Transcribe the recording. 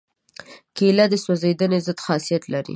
کېله د سوځېدنې ضد خاصیت لري.